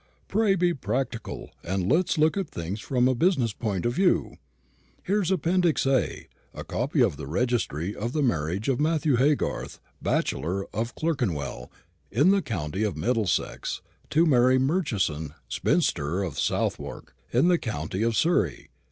Pray be practical, and let us look at things from a business point of view. Here is Appendix A. a copy of the registry of the marriage of Matthew Haygarth, bachelor, of Clerkenwell, in the county of Middlesex, to Mary Murchison, spinster, of Southwark, in the county of Surrey.